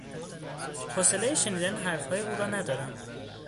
حوصلهی شنیدن حرفهای او را ندارم.